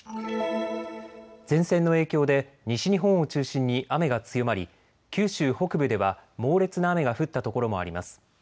前線の影響で西日本を中心に雨が強まり九州北部では猛烈な雨が降ったところもあります。